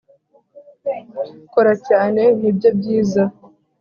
kora cyane, nibyo byiza